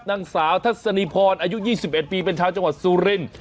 นางสาวทัศนีพรอายุ๒๑ปีเป็นชาวจังหวัดสุรินทร์